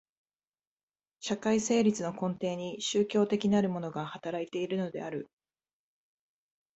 社会成立の根底に宗教的なるものが働いているのである。